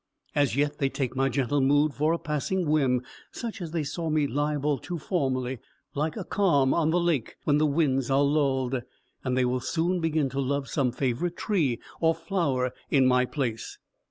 As yet, they take my gentle mood for a passing whim, such as they saw me liable to formerly, like a calm on the lake when the winds are lulled; and they will soon begin to love some favourite tree or flower in my place.